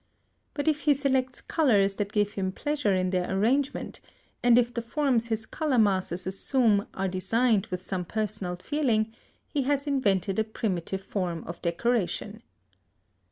But if he selects colours that give him pleasure in their arrangement, and if the forms his colour masses assume are designed with some personal feeling, he has invented a primitive form of decoration.